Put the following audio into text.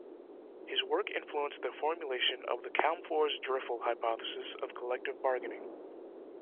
His work influenced the formulation of the Calmfors-Driffill hypothesis of collective bargaining.